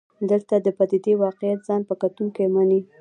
دلته د پدیدې واقعیت ځان په کتونکو مني.